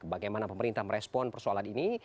bagaimana pemerintah merespon persoalan ini